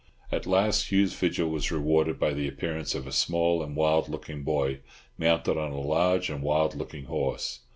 At last Hugh's vigil was rewarded by the appearance of a small and wild looking boy, mounted on a large and wild looking horse.